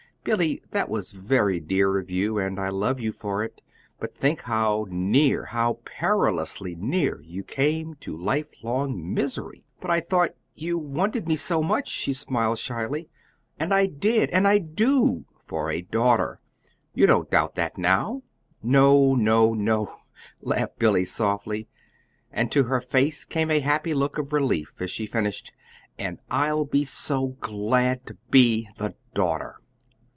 Billy, that was very dear of you, and I love you for it; but think how near how perilously near you came to lifelong misery!" "But I thought you wanted me so much," she smiled shyly. "And I did, and I do for a daughter. You don't doubt that NOW?" "No, oh, no," laughed Billy, softly; and to her face came a happy look of relief as she finished: "And I'll be so glad to be the daughter!"